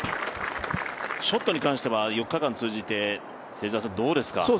ショットに関しては、４日間通じてどうですか？